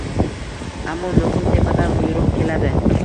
Ammo nuqul tepadan buyruq keladi